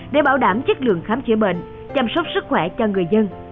để bảo đảm chất lượng khám chữa bệnh chăm sóc sức khỏe cho người dân